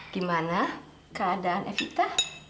gimana keadaan evita